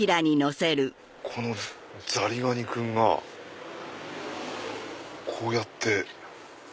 このザリガニ君がこうやって。